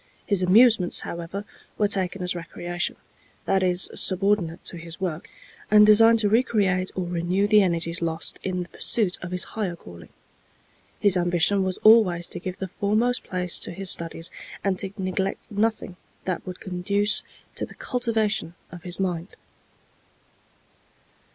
His amusements, however, were taken as recreation—that is, subordinate to his work, and designed to re create or renew the energies lost in the pursuit of his higher calling. His main ambition was always to give the foremost place to his studies, and to neglect nothing that would conduce to the cultivation of his mind.